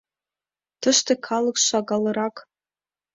Тыште калык шагалрак.